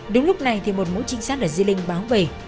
đúng lúc này thì một mũi trinh sát ở di linh báo về